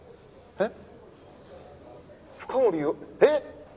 えっ？